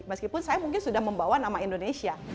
meskipun saya mungkin sudah membawa nama indonesia